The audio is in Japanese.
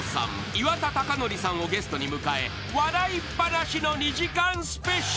岩田剛典さんをゲストに迎え笑いっ放しの２時間スペシャル］